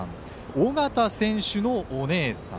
尾形選手のお姉さん。